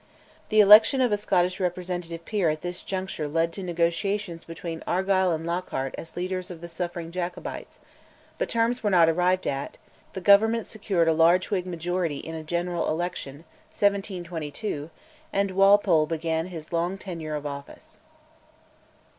The election of a Scottish representative peer at this juncture led to negotiations between Argyll and Lockhart as leader of the suffering Jacobites, but terms were not arrived at; the Government secured a large Whig majority in a general election (1722), and Walpole began his long tenure of office.